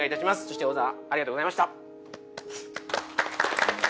そして小澤ありがとうございました。